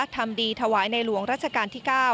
ทำดีถวายในหลวงรัชกาลที่๙